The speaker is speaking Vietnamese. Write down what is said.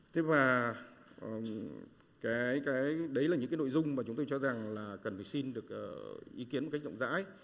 thế và cái đấy là những cái nội dung mà chúng tôi cho rằng là cần phải xin được ý kiến một cách rộng rãi